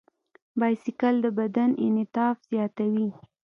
بایسکل د بدن انعطاف زیاتوي.